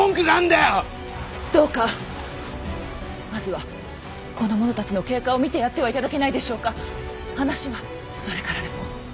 どうかまずはこの者たちの経過を見てやっては頂けないでしょうか！話はそれからでも。